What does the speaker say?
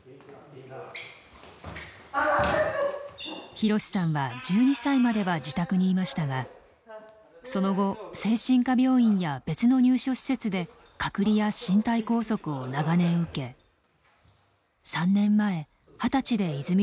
ひろしさんは１２歳までは自宅にいましたがその後精神科病院や別の入所施設で隔離や身体拘束を長年受け３年前二十歳で泉寮に連れてこられました。